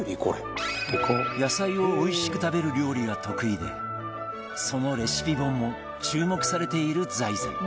野菜をおいしく食べる料理が得意でそのレシピ本も注目されている財前